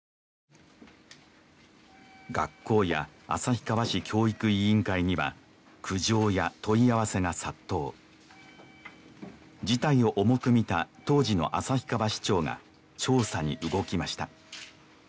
学校や旭川市教育委員会には苦情や問い合わせが殺到事態を重く見た当時の旭川市長が調査に動きました